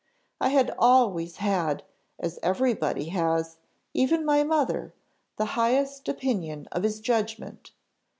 I had always had, as every body has, even my mother, the highest opinion of his judgment.